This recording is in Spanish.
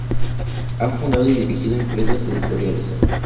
Ha fundado y dirigido empresas editoriales.